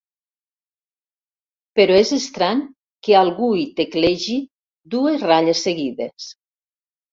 Però és estrany que algú hi teclegi dues ratlles seguides.